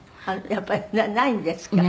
やっぱりないんですか。